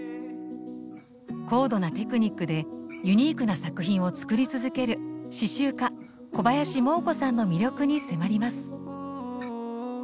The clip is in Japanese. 高度なテクニックでユニークな作品を作り続ける刺しゅう家小林モー子さんの魅力に迫ります。